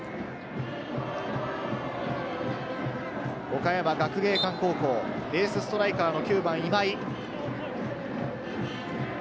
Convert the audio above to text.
岡山学芸館高校、エースストライカーの９番・今井。